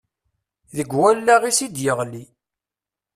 Deg wallaɣ-is i d-yeɣli.